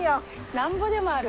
なんぼでもある。